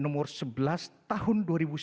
nomor sebelas tahun dua ribu tujuh belas